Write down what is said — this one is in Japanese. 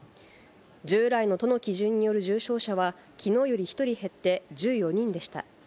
従来の都の基準による重症者は、きのうより１人減って１４人でした。